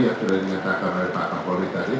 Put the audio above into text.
yang sudah dinyatakan dari pak pak polri tadi